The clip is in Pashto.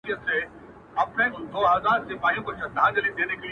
چاته غل چاته عسکر وو په نس موړ وو٫